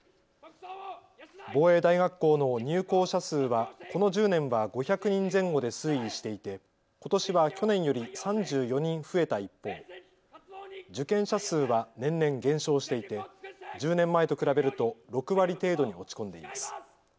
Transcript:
防衛大学校の入校者数はこの１０年は５００人前後で推移していて、ことしは去年より３４人増えた一方、受験者数は年々減少していて１０年前と比べると６割程度に落ち込んでいます。